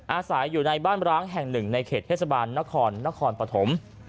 อาศัยอยู่ในบ้านร้างแห่งหนึ่งในเขตเทศบาลนครนครปฐม